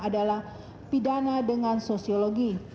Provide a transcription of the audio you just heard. adalah pidana dengan sosiologi